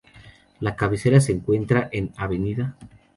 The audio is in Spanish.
La cabecera se encuentra en Av.